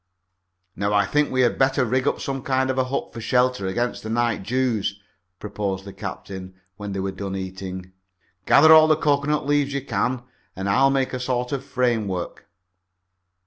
"Now I think we had better rig up some kind of a hut for shelter against the night dews," proposed the captain, when they were done eating. "Gather all the cocoanut leaves you can and I'll make a sort of framework."